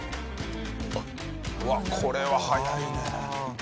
うわっこれは速いね。